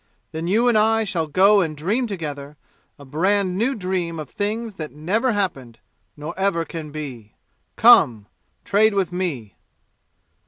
Then you and I shall go and dream together A brand new dream of things that never happened, Nor ever can be. Come, trade with me!